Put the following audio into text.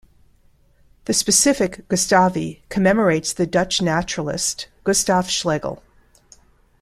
The specific "gustavi" commemorates the Dutch naturalist Gustaaf Schlegel.